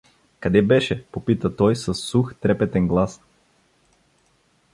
— Къде беше? — попита той със сух, трепетен глас.